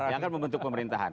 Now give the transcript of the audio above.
yang akan membentuk pemerintahan